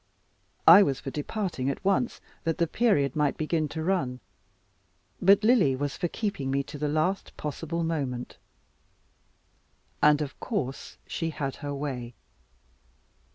I was for departing at once, that the period might begin to run; but Lily was for keeping me to the last possible moment, and of course she had her way.